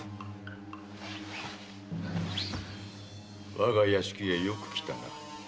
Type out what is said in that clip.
我が屋敷へよく来たな。